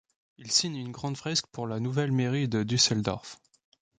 Il signe une grande fresque pour la nouvelle mairie de Düsseldorf.